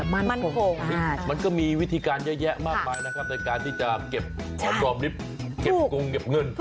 มันก็มีวิธีการเยอะมากไปในการที่จะเก็บของดรอบริสต์เก็บกุงเก็บเงิน